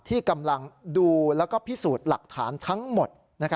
ที่กำลังดูแล้วก็พิสูจน์หลักฐานทั้งหมด